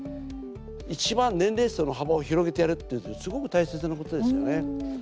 いちばん年齢層の幅を広げてやるってすごく大切なことですよね。